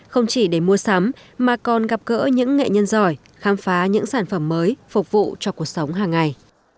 không chỉ để mua sắm mà còn gặp gỡ những nghệ nhân giỏi khám phá những sản phẩm mới phục vụ cho cuộc sống hàng ngày